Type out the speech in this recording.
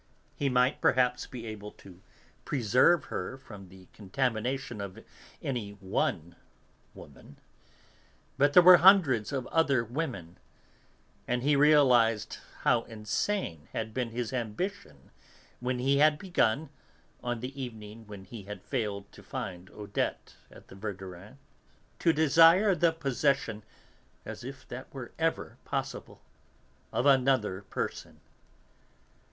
He might perhaps be able to preserve her from the contamination of any one woman, but there were hundreds of other women; and he realised how insane had been his ambition when he had begun (on the evening when he had failed to find Odette at the Verdurins') to desire the possession as if that were ever possible of another person.